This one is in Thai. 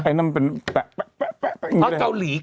ไอ้น้ำเป็นแป๋พร์แป๋พร่ง